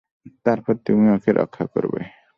তারপর তুমি ওকে রক্ষা করবে।